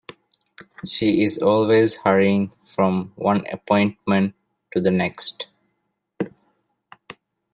She is always hurrying from one appointment to the next.